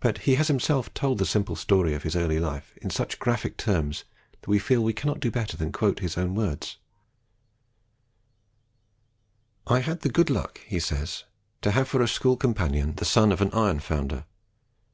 But he has himself told the simple story of his early life in such graphic terms that we feel we cannot do better than quote his own words: "I had the good luck," he says, "to have for a school companion the son of an iron founder.